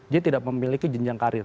jadi tidak memiliki jenjang karir